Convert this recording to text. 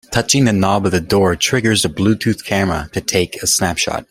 Touching the knob of the door triggers this Bluetooth camera to take a snapshot.